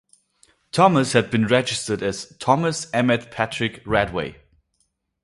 Thomas had been registered as Thomas Emmett Patrick Radway.